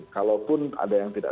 kalaupun ada yang tidak